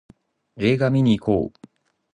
映画見にいこう